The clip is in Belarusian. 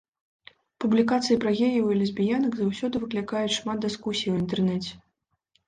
Публікацыі пра геяў і лесбіянак заўсёды выклікаюць шмат дыскусій у інтэрнэце.